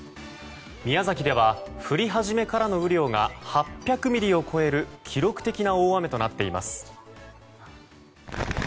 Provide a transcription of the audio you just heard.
宮崎では降り始めからの雨量が８００ミリを超える記録的な大雨となっています。